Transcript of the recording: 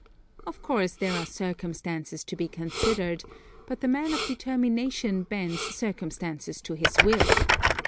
Of course there are circumstances to be considered, but the man of determination bends circumstances to his will.